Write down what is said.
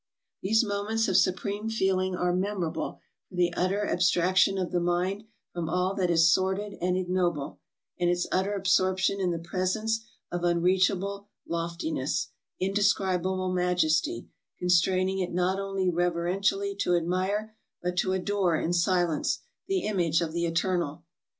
These moments of supreme feel ing are memorable for the utter abstraction of the mind from all that is sordid and ignoble, and its utter absorption in the presence of unreachable loftiness, indescribable majesty, con straining it not only reverentially to admire, but to adore in silence, the image of the Eternal.